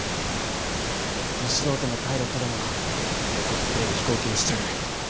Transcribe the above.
ど素人のパイロットでも記録作れる飛行機にしちゃる。